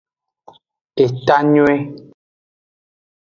Etanyuie.